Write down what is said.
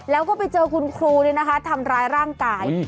แล้วก็ไปเจอคุณครูเนี่ยนะคะทำร้ายร่างกาย